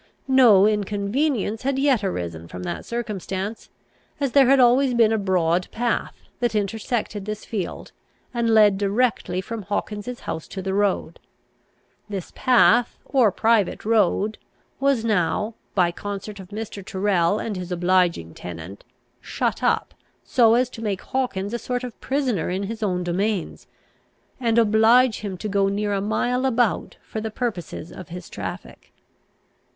No inconvenience had yet arisen from that circumstance, as there had always been a broad path, that intersected this field, and led directly from Hawkins's house to the road. This path, or private road, was now, by concert of Mr. Tyrrel and his obliging tenant, shut up, so as to make Hawkins a sort of prisoner in his own domains, and oblige him to go near a mile about for the purposes of his traffic.